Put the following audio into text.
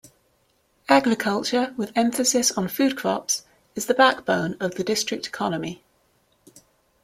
Agriculture with emphasis on food crops is the backbone of the district economy.